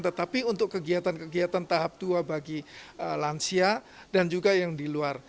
tetapi untuk kegiatan kegiatan tahap dua bagi lansia dan juga yang di luar